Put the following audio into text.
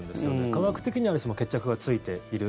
科学的には決着がついている。